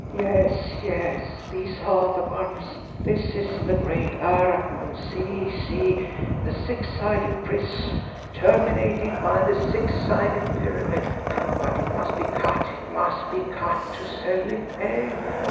Yes, yes; these are the ones! This is the great Aracon see, see, the six sided prism terminated by the six sided pyramid. But it must be cut it must be cut to sell it, eh?